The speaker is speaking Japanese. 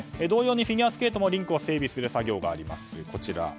同様にフィギュアスケートもリンクを整備する作業があります。